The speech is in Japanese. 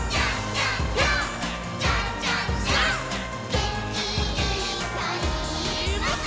「げんきいっぱいもっと」